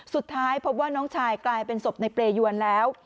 สุดท้ายพบว่าน้องชายกลายเป็นศพในเปรยวนแล้ว